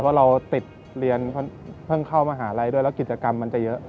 เพราะเราติดเรียนเพิ่งเข้ามหาลัยด้วยแล้วกิจกรรมมันจะเยอะ